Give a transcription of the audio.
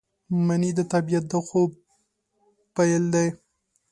منی د طبیعت د خوب پیل دی